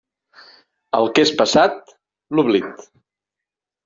Al que és passat, l'oblit.